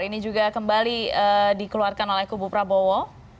ini juga kembali dikeluarkan oleh kubu prabowo